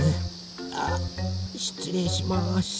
しつれいします。